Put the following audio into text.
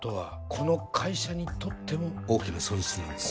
この会社にとっても大きな損失なんです